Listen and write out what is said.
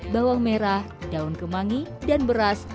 bawang merah daun kemangi dan beras